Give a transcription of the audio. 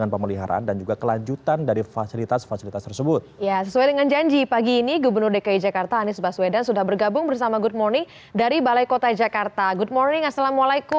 waalaikumsalam warahmatullahi wabarakatuh